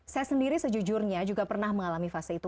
saya sendiri sejujurnya juga pernah mengalami fase itu